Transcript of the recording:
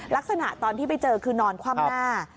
ลักษณะตอนที่ไปเจอคือนอนคว่ำหน้า